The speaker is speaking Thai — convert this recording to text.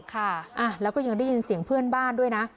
ค่ะแล้วก็ยังได้ยินเสียงเพื่อนบ้านด้วยนะ